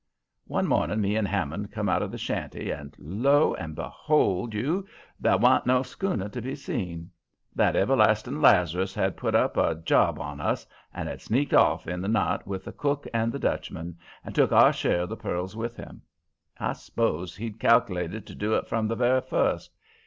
"One morning me and Hammond come out of the shanty, and, lo and behold you! there wa'n't no schooner to be seen. That everlasting Lazarus had put up a job on us, and had sneaked off in the night with the cook and the Dutchman, and took our share of the pearls with him. I s'pose he'd cal'lated to do it from the very first.